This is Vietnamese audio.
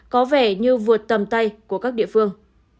có vẻ như vượt tầm tay của các địa phương